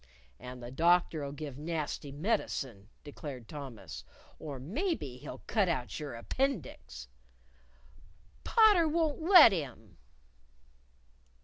"And the doctor'll give nasty medicine," declared Thomas, "or maybe he'll cut out your appendix!" "Potter won't let him."